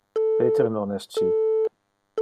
Peter non es ci.